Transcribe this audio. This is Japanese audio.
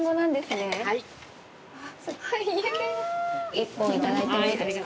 １本いただいてもいいですか。